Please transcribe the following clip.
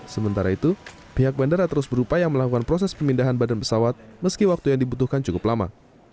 sementara itu pihak bandara terus berupaya melakukan proses pemindahan badan pesawat meski waktu yang dibutuhkan cukup lama